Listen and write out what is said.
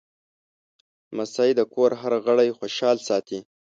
لمسی د کور هر غړی خوشحال ساتي.